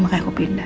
makanya aku pindah